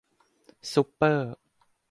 ซุปเปอร์